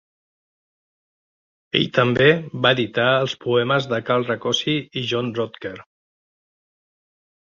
Ell també va editar els poemes de Carl Rakosi i John Rodker.